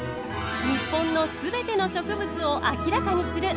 日本のすべての植物を明らかにする。